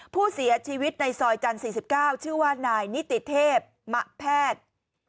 ผู้เสียชีวิตในซอยจันทร์๔๙ชื่อว่านายนิติเทพมะแพทย์